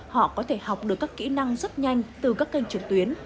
họ có thể học được các kỹ năng rất nhanh từ các kênh truyền tuyến